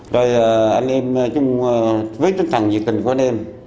rồi anh em với tinh thần dịch tình của anh em